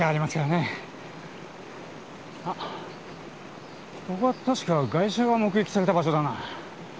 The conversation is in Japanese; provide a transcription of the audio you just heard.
あっここは確か外車が目撃された場所だな。